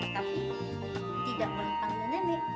tapi tidak boleh panggil nenek